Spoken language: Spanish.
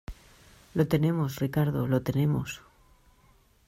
¡ lo tenemos, Ricardo , lo tenemos!